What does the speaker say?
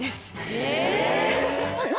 え！